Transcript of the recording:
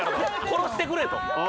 殺してくれと。